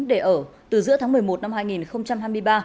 để ở từ giữa tháng một mươi một năm hai nghìn hai mươi ba